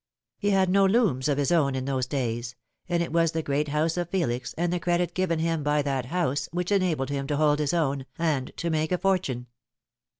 He had no looms of his own in those days ; and it was the great house of Felix, and the credit given him by that house, which enabled him to hold his own, and to make a fortune.